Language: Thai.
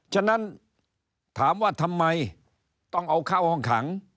ฉะนั้นถามว่าทำไมต้องเอาเข้าห้องขัง